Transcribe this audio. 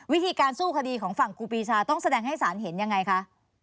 วิธีการสู้คดีของฝั่งครูปีชาต้องแสดงให้สารเห็นยังไงคะ